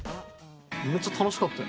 めちゃ楽しかった。